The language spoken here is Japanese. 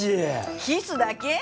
キスだけ？